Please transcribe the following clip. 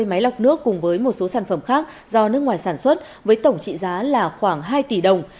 hai mươi máy lọc nước cùng với một số sản phẩm khác do nước ngoài sản xuất với tổng trị giá là khoảng hai tỷ đồng